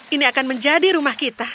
ini akan menjadi rumah kita